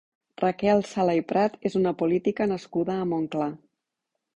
Raquel Sala i Prat és una política nascuda a Montclar.